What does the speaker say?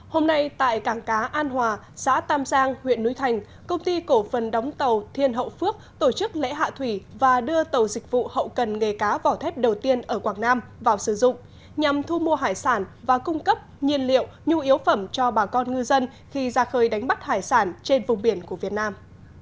hôm nay tại cảng cá an hòa xã tam giang huyện núi thành công ty cổ phần đóng tàu thiên hậu phước tổ chức lễ hạ thủy và đưa tàu dịch vụ hậu cần nghề cá vỏ thép đầu tiên ở quảng nam vào sử dụng nhằm thu mua hải sản và cung cấp nhiên liệu nhu yếu phẩm cho bà con ngư dân khi ra khơi đánh bắt hải sản trên vùng biển của việt nam